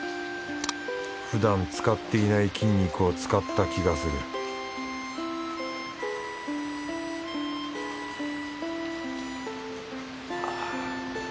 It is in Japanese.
ふだん使っていない筋肉を使った気がするあ。